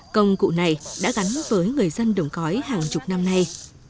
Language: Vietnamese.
công cụ này đã gắn với người dân đồng cõi hàng chục năm nay